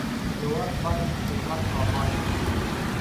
هېواد باید په خدمت اباد شي.